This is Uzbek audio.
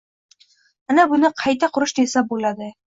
Ana buni qayta qurish desa bo‘ladi».